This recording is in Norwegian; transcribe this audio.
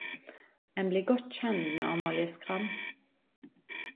Ein blir godt kjend med Amalie Skram.